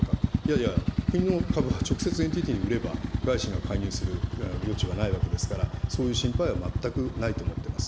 いや、国の株を直接ＮＴＴに売れば外資に買われる余地はないわけですから、そういう心配は全くないと思ってます。